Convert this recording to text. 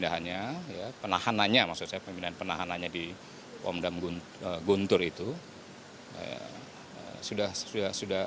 kivlan juga disangkakan sebagai tersangka dalam kasus dugaan kepemilikan dan penguasaan senjata api ilegal dan disangkakan melanggar undang undang darurat pasal satu ayat satu nomor dua belas tahun satu ratus sembilan puluh enam